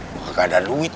gue gak ada duit